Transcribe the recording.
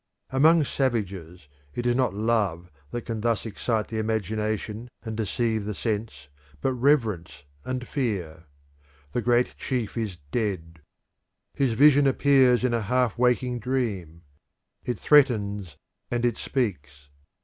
Among savages it is not love which can thus excite the imagination and deceive the sense, but reverence and fear. The great chief is dead. His vision appears in a half waking dream: it threatens and it speaks.